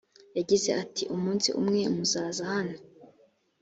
yagize ati umunsi umwe muzaza hano